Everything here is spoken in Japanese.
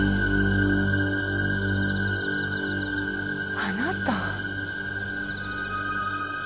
あなた。